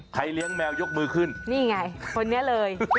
เลี้ยงแมวยกมือขึ้นนี่ไงคนนี้เลย